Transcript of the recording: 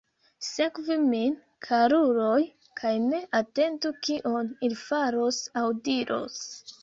Sekvu min, karuloj, kaj ne atentu kion ili faros aŭ diros.